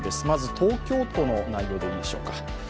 まず東京都の内容でいいでしょうか。